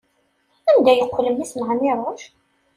Anda yeqqel mmi-s n Ɛmiruc?